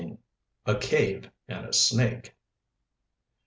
A CAVE AND A SNAKE.